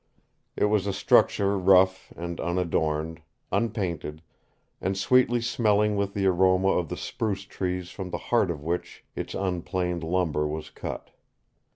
It was a structure rough and unadorned, unpainted, and sweetly smelling with the aroma of the spruce trees from the heart of which its unplaned lumber was cut.